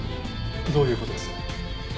どういう事です？